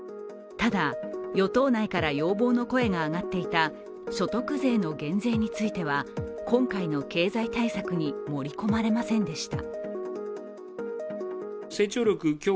ただ、与党内から要望の声が上がっていた所得税の減税については今回の経済対策に盛り込まれませんでした。